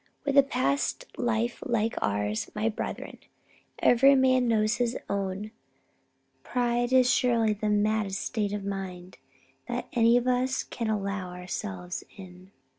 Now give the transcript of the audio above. With a past life like ours, my brethren and everyman knows his own pride is surely the maddest state of mind that any of us can allow ourselves in.